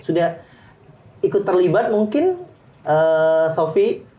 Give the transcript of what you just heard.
sudah ikut terlibat mungkin sofi